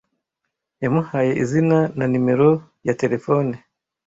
Yamuhaye izina na nimero ya terefone.